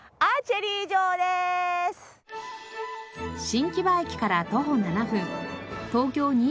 新木場駅から徒歩７分東京２０２０